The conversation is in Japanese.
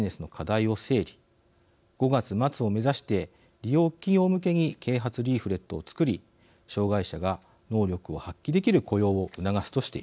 ５月末を目指して利用企業向けに啓発リーフレットを作り障害者が能力を発揮できる雇用を促すとしています。